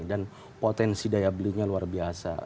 potensi daya belinya luar biasa